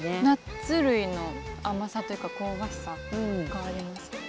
ナッツ類の甘さというか香ばしさがあります。